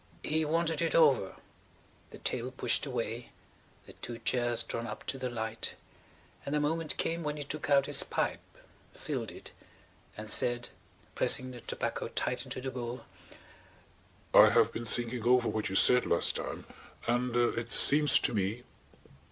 He wanted it over, the table pushed away, their two chairs drawn up to the light, and the moment came when he took out his pipe, filled it, and said, pressing the tobacco tight into the bowl: "I have been thinking over what you said last time and it seems to me.